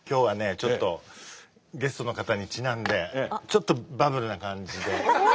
ちょっとゲストの方にちなんでちょっとバブルな感じで。